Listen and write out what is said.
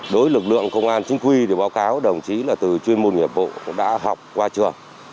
đối với lực lượng công an chính quy thì báo cáo đồng chí là từ chuyên môn nghiệp vụ đã học qua trường